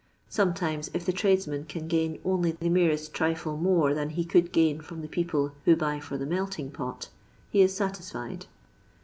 Some times if the tradesman can gain only the merest trifle more than he could gain from the people who buy for the melting pot, he is satisfied.